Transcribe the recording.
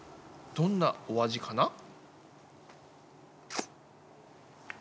どんなお味かな？